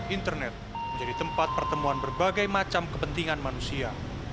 internet menjadi tempat pertemuan berbagai macam kepentingan manusia